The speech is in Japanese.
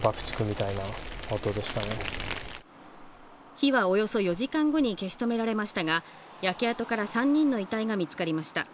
火はおよそ４時間後に消し止められましたが、焼け跡から３人の遺体が見つかりました。